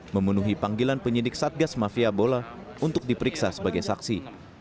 memenuhi panggilan penyidik satgas mafia bola untuk diperiksa sebagai saksi